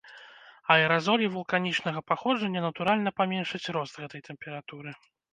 Аэразолі вулканічнага паходжання натуральна паменшаць рост гэтай тэмпературы.